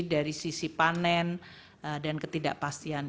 dari sisi panen dan ketidakpastian